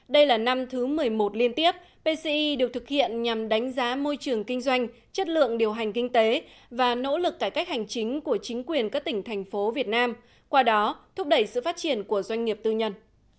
đây là năm thứ một mươi một liên tiếp pci được thực hiện nhằm đánh giá môi trường kinh doanh chất lượng điều hành kinh tế và nỗ lực cải cách hành chính của chính quyền các tỉnh thành phố việt nam qua đó thúc đẩy sự phát triển của doanh nghiệp tư nhân